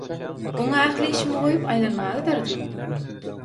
oňa ähli işimi goýup aýlanmaga giderdim.